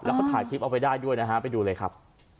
เขาถ่ายคลิปเอาไว้ได้ด้วยนะฮะไปดูเลยครับ